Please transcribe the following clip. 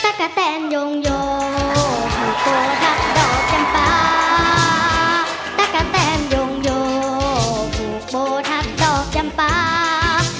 โบบุโบทักตอบจำปาก